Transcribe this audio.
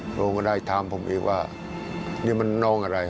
ผมก็ได้ถามผมอีกว่านี่มันน้องอะไร